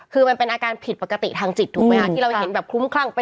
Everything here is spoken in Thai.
คือมันเป็นอาการผิดปกติทางจิตถูกไหมคะที่เราเห็นแบบคลุ้มคลั่ง